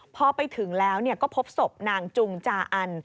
พอไปถึงแล้วก็พบศพนางจุงจาอัน